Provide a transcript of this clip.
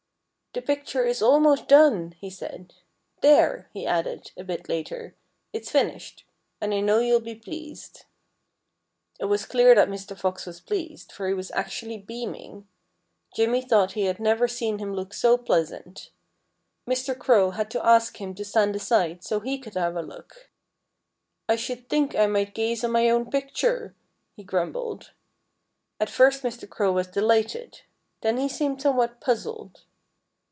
"The picture is almost done," he said. "There!" he added, a bit later. "It's finished. And I know you'll be pleased." It was clear that Mr. Fox was pleased, for he was actually beaming. Jimmy thought he had never seen him look so pleasant. Mr. Crow had to ask him to stand aside, so he could have a look. "I should think I might gaze on my own picture," he grumbled. At first Mr. Crow was delighted. Then he seemed somewhat puzzled.